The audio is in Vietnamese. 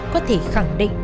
có thể khẳng định